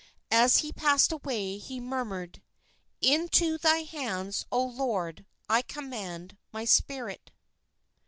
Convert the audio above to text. As he passed away, he murmured, "Into Thy hands, O Lord, I commend my spirit."